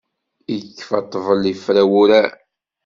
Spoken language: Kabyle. Ikfa ṭṭbel, ifra wurar.